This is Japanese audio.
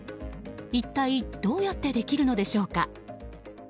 一体どうやってできるのでしょうか。